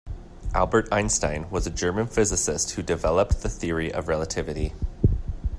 Albert Einstein was a German physicist who developed the Theory of Relativity.